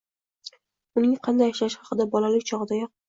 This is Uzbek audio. uning qanday ishlashi haqida bolalik chog‘idayoq